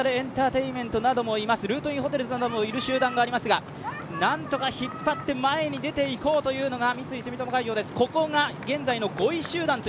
その後ろ、ユニバーサルエンターテインメントもいます、ルートインホテルズなどもいる集団がありますが何とか引っ張って前に出て行こうというのが三井住友海上です。